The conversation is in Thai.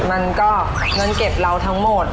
มันก็เงินเก็บเราทั้งหมด